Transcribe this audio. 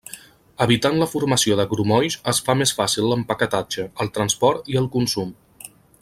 Evitant la formació de grumolls es fa més fàcil l'empaquetatge, el transport i el consum.